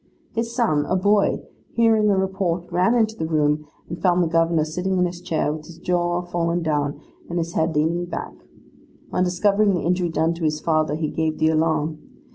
His son, a boy, hearing a report, ran into the room, and found the Governor sitting in his chair, with his jaw fallen down, and his head leaning back; on discovering the injury done to his father, he gave the alarm.